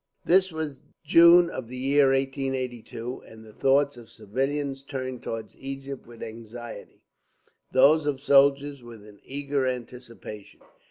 This was June of the year 1882, and the thoughts of civilians turned toward Egypt with anxiety; those of soldiers, with an eager anticipation.